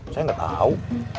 saya gak tau